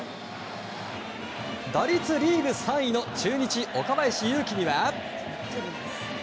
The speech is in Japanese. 打率リーグ３位の中日、岡林勇希には。